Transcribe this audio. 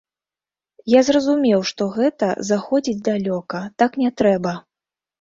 Я зразумеў, што гэта заходзіць далёка, так не трэба.